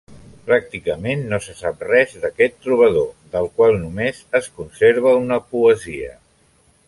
Pràcticament no se sap res d'aquest trobador, del qual només es conserva una poesia.